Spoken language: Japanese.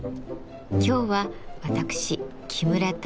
今日は私木村多江